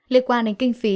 liên quan đến kinh phí